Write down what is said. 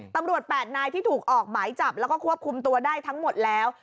๘นายที่ถูกออกหมายจับแล้วก็ควบคุมตัวได้ทั้งหมดแล้ว